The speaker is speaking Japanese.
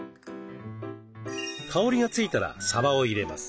香りが付いたらさばを入れます。